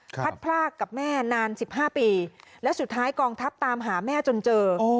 พัดพลากกับแม่นาน๑๕ปีแล้วสุดท้ายกองทัพตามหาแม่จนเจอ